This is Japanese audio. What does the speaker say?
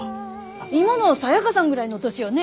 今のサヤカさんぐらいの年よね？